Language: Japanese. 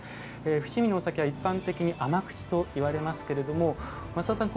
伏見のお酒は一般的に甘口といわれますけれども増田さん